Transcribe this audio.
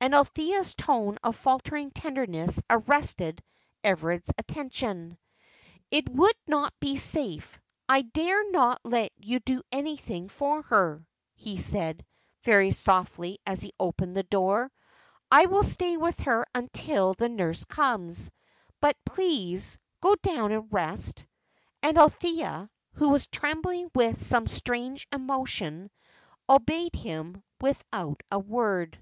And Althea's tone of faltering tenderness arrested Everard's attention. "It would not be safe. I dare not let you do anything for her," he said, very softly, as he opened the door. "I will stay with her until the nurse comes. But please, go down and rest." And Althea, who was trembling with some strange emotion, obeyed him without a word.